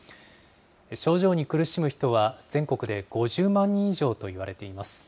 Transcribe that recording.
症状に苦しむ人は全国で５０万人以上といわれています。